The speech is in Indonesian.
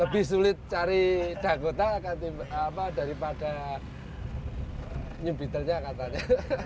lebih sulit cari anggota daripada new beetle nya katanya